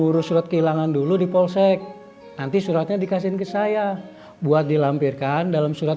urus surat kehilangan dulu di polsek nanti suratnya dikasih ke saya buat dilampirkan dalam surat